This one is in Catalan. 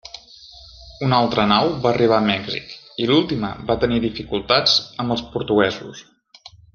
Una altra nau va arribar a Mèxic i l'última va tenir dificultats amb els portuguesos.